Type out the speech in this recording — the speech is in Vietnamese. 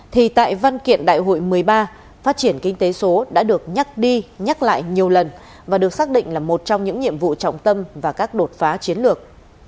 thì tại văn kiện đại hội một mươi ba phát triển kinh tế số đã được nhắc đi nhắc lại nhiều lần và được xác định là một trong những nhiệm vụ trọng tâm và các đột phá chiến lược